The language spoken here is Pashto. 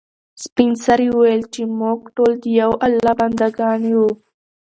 سپین سرې وویل چې موږ ټول د یو الله بنده ګان یو.